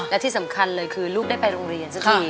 และที่สำคัญเลยคือลูกได้ไปโรงเรียนสักที